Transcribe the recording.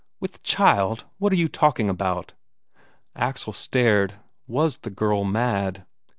"With child? What are you talking about?" Axel stared. Was the girl mad?